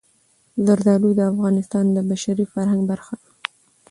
زردالو د افغانستان د بشري فرهنګ برخه ده.